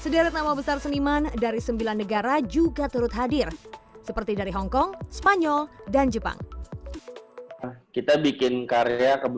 dan juga dari negara lain juga terhadir seperti dari hongkong spanyol dan jepang kita bikin karya